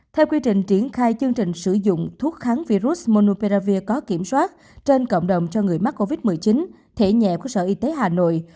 theo quy trình triển khai chương trình sử dụng thuốc kháng virus monouperavir có kiểm soát trên cộng đồng cho người mắc covid một mươi chín thẻ nhẹ của sở y tế hà nội